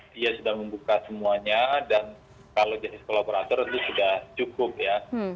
dia sudah membuka semuanya dan kalau jasid kolaborator itu sudah cukup ya